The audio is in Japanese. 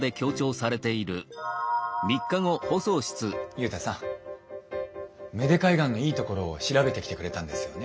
ユウタさん芽出海岸のいいところを調べてきてくれたんですよね。